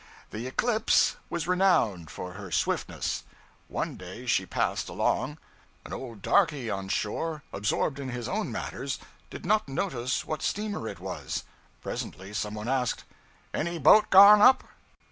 The 'Eclipse' was renowned for her swiftness. One day she passed along; an old darkey on shore, absorbed in his own matters, did not notice what steamer it was. Presently someone asked 'Any boat gone up?'